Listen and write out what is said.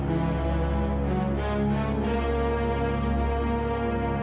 dan kamu juga